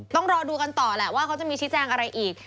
ต้องรอดูกันต่อแหละว่าเขาจะมีชี้แจงอะไรอีก